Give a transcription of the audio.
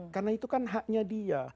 karena itu kan haknya dia